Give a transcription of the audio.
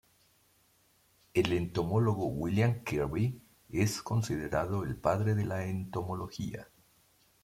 El entomólogo William Kirby es considerado el padre de la entomología.